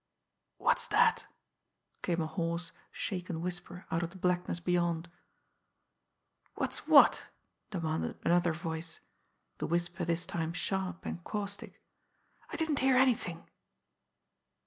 "What's that?" came a hoarse, shaken whisper out of the blackness beyond. "What's what?" demanded another voice the whisper this time sharp and caustic. "I didn't hear anything!"